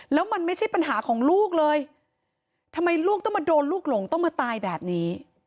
แล้วมันไม่ใช่ปัญหาของลูกเลยทำไมลูกต้องมาโดนลูกหลงต้องมาตายแบบนี้